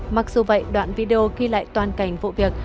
mặc dù vậy đoạn video ghi lại toàn cảnh vụ việc